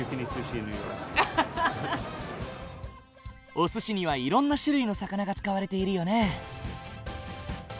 おすしにはいろんな種類の魚が使われているよね。